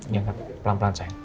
diangkat pelan pelan sayang